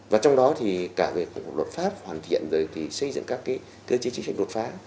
và trong đó thì cả việc của luật pháp hoàn thiện rồi thì xây dựng các cái cơ chế chính sách đột phá